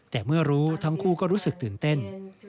แต่เมื่อรู้ทั้งคู่ก็รู้สึกตื่นเต้น